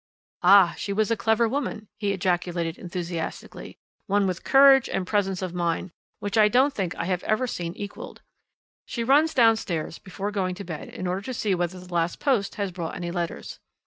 "Ah! she was a clever woman," he ejaculated enthusiastically, "one with courage and presence of mind, which I don't think I have ever seen equalled. She runs downstairs before going to bed in order to see whether the last post has brought any letters.